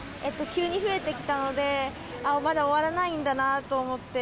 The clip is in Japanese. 急に増えてきたので、まだ終わらないんだなと思って。